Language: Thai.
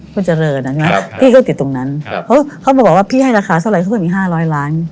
มันจะเริ่มนะพี่เขาติดตรงนั้นเขาบอกว่าพี่ให้ราคาเท่าไหร่เขาต้องมี๕๐๐ล้าน